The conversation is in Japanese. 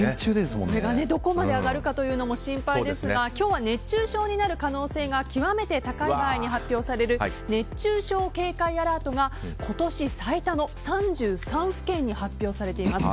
これがどこまで上がるかというのが心配ですが今日は熱中症になる可能性が極めて高い場合に発表される熱中症警戒アラートが今年最多の３３府県に発表されています。